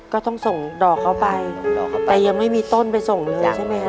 ก็ต้องส่งดอกเขาไปแต่ยังไม่มีต้นไปส่งเลยใช่ไหมฮะ